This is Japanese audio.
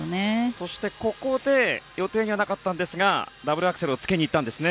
そしてここで予定にはなかったんですがダブルアクセルをつけにいったんですね。